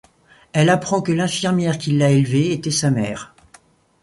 Elle apprend que l'infirmière qui l'a élevée était sa mère.